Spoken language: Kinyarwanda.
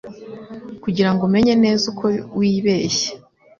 kugirango umenye neza uko wibeshye